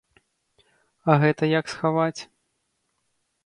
А гэта як схаваць?